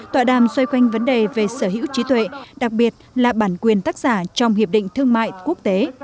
tọa đàm xoay quanh vấn đề về sở hữu trí tuệ đặc biệt là bản quyền tác giả trong hiệp định thương mại quốc tế